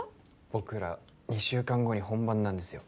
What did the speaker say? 僕ら二週間後に本番なんですよ